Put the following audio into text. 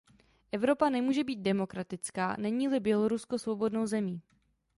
Evropa nemůže být demokratická, není-li Bělorusko svobodnou zemí.